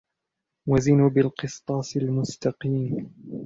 وَزِنُوا بِالْقِسْطَاسِ الْمُسْتَقِيمِ